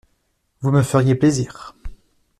Vous me feriez plaisir.